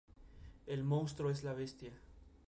El monstruo es la Bestia.